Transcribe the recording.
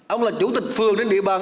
ông là chủ tịch phường trên địa bàn